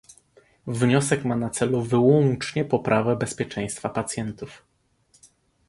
Wniosek ma na celu wyłącznie poprawę bezpieczeństwa pacjentów